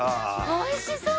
おいしそう！